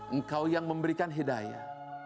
engkau yang memberikan hidayah